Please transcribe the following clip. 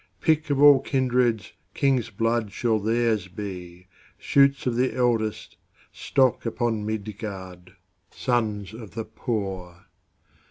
Pick of all kindreds, King's blood shall theirs be, Shoots of the eldestStock upon Midgard, Sons of the poor.